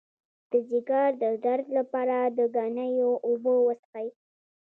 د ځیګر د درد لپاره د ګنیو اوبه وڅښئ